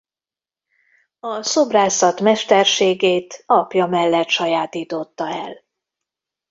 A szobrászat mesterségét apja mellett sajátította el.